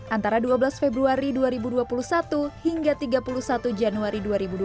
antara dua belas februari dua ribu dua puluh satu hingga tiga puluh satu januari dua ribu dua puluh